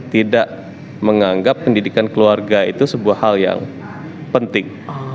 tidak menganggap pendidikan keluarga itu sebuah hal yang penting